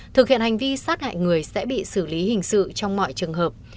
thực hiện hành vi sát hại người sẽ bị xử lý hình sự trong mọi trường hợp